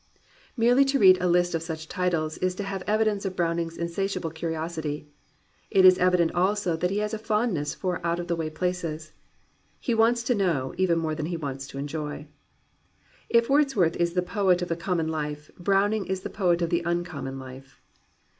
Merely to read a list of such titles is to have evi dence of Browning's insatiable curiosity. It is evi dent also that he has a fondness for out of the way places. He wants to know, even more than he wants to enjoy. If Wordsworth is the poet of the common life, Browning is the poet of the uncommon life.